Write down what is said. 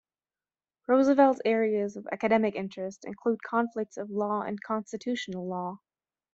Roosevelt's areas of academic interest include conflicts of law and constitutional law.